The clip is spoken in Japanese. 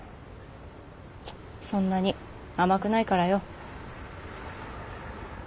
そんなに甘くないからよ。